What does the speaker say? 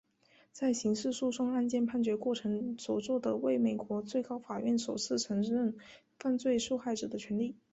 在刑事诉讼案件判决过程所做的为美国最高法院首次承认犯罪受害者的权利。